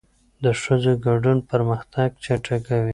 د ښځو ګډون پرمختګ چټکوي.